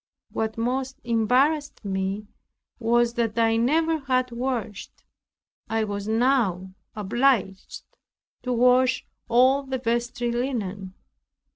What most embarrassed me was that I never had washed. I was now obliged to wash all the vestry linen.